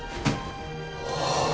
ああ。